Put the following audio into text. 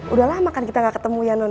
udah lama kan kita gak ketemu ya nonto